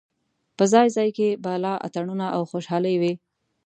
په ځای ځای کې به لا اتڼونه او خوشالۍ وې.